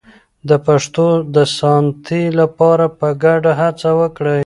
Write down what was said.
د پښتو د ساتنې لپاره په ګډه هڅه وکړئ.